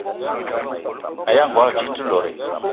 Aya ngogo dze te lot?